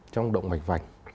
trong động mạch vành